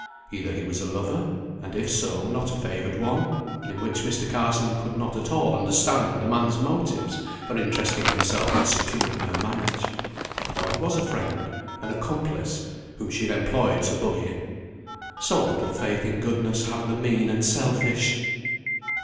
Either he was a lover, and if so, not a favoured one (in which case Mr. Carson could not at all understand the man's motives for interesting himself in securing her marriage); or he was a friend, an accomplice, whom she had employed to bully him. So little faith in goodness have the mean and selfish!